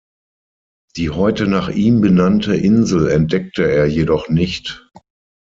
Die heute nach ihm benannte Insel entdeckte er jedoch nicht.